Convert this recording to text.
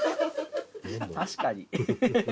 確かに。